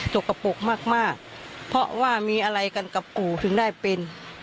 กระปกมากเพราะว่ามีอะไรกันกับปู่ถึงได้เป็น